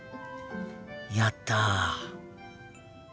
やった。